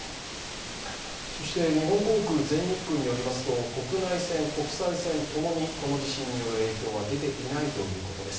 日本航空、全日空によりますと、国内線、国際線ともに、この地震による影響は出ていないということです。